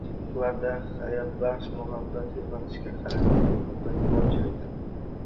ularda hayotbaxsh muhabbat uyg‘otishga qarating; muhabbat bor joyda —